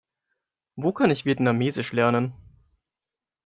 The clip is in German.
Wo kann ich Vietnamesisch lernen?